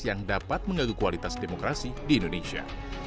yang dapat menggaguh kualitas demokrasi di indonesia